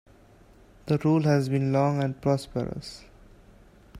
The rule has been long and prosperous.